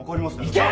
行け！！